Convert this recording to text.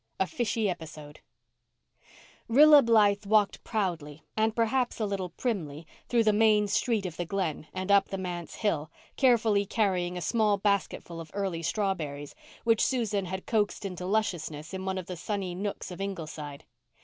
A FISHY EPISODE Rilla Blythe walked proudly, and perhaps a little primly, through the main "street" of the Glen and up the manse hill, carefully carrying a small basketful of early strawberries, which Susan had coaxed into lusciousness in one of the sunny nooks of Ingleside.